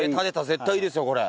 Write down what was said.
絶対いいですよこれ。